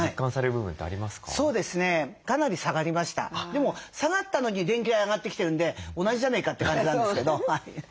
でも下がったのに電気代上がってきてるんで同じじゃねえかって感じなんですけど。